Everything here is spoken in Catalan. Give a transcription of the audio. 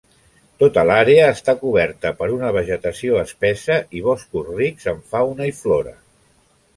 Tota l'àrea està coberta per una vegetació espessa i boscos rics en fauna i flora.